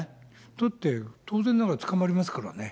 だって、当然ながら捕まりますからね。